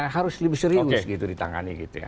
harus lebih serius gitu ditangani gitu ya